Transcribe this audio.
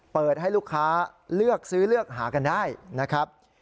เปิดให้ลูกค้าเลือกซื้อเลือกหากันได้นะครับ